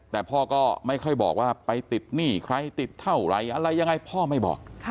แต่พ่อก็ไม่ค่อยบอกว่าไปติดหนี้ใครติดเท่าไหร่อะไรยังไงพ่อไม่บอก